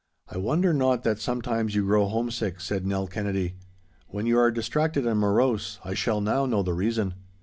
'I wonder not that sometimes you grow homesick,' said Nell Kennedy. 'When you are distracted and morose, I shall now know the reason.